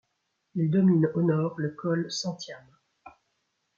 Il domine au nord le col Santiam.